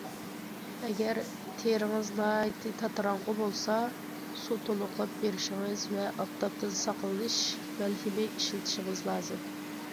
ئەگەر تېرىڭىز ناھايىتى تاتىراڭغۇ بولسا سۇ تولۇقلاپ بېرىشىڭىز ۋە ئاپتاپتىن ساقلىنىش مەلھىمى ئىشلىتىشىڭىز لازىم.